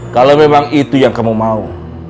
kalau memang itu yang kamu mau